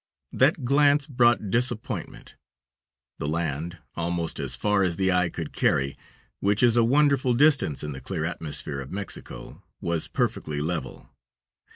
That glance brought disappointment. The land, almost as far as the eye could carry, which is a wonderful distance in the clear atmosphere of Mexico, was perfectly level.